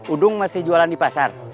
udung masih jualan di pasar